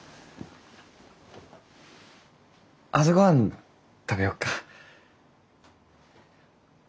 朝ごはん食べよっか。